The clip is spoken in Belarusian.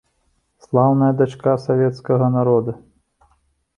Слаўная дачка савецкага народа!